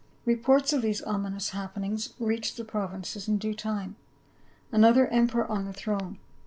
Reports of these ominous happenings reached the provinces in due time. Another emperor on the throne